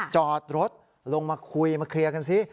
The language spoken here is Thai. จอดรถลงมาคุยมาเคลียร์กันซิ